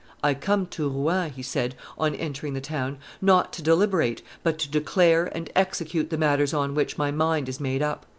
"I come to Rouen," he said, on entering the town, "not to deliberate, but to declare and execute the matters on which my mind is made up."